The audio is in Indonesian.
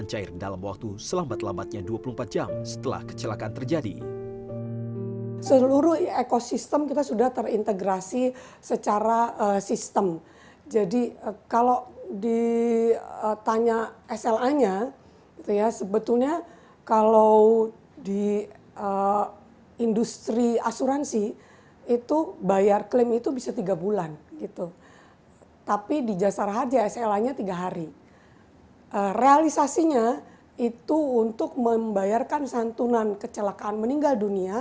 kami upayakan lebih aman melalui bus dan kereta atau kapal